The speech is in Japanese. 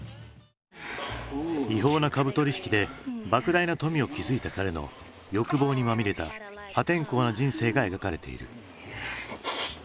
違法な株取引でばく大な富を築いた彼の欲望にまみれた破天荒な人生が描かれている。